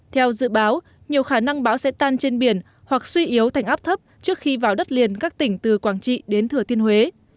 theo dự báo nhiều khả năng bão sẽ tan trên biển hoặc suy yếu thành áp thấp trước khi vào đất liền các tỉnh từ quảng trị đến thừa thiên huế